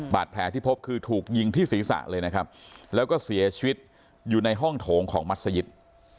บาดแผลที่พบคือถูกยิงที่ศีรษะเลยนะครับแล้วก็เสียชีวิตอยู่ในห้องโถงของมัศยิต